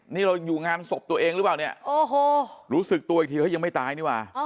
นี่เราอยู่งานศพตัวเองหรือเปล่าเนี่ยโอ้โหรู้สึกตัวอีกทีเฮ้ยยังไม่ตายนี่ว่ะ